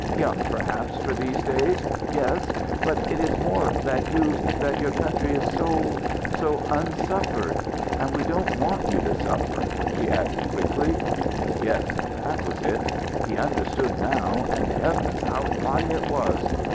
"Young perhaps for these days, yes but it is more that you that your country is so so unsuffered. And we don't want you to suffer!" she added quickly. Yes, that was it! He understood now, and, heavens, how fine it was!